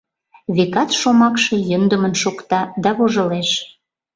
Векат, шомакше йӧндымын шокта, да вожылеш.